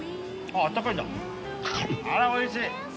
あらおいしい。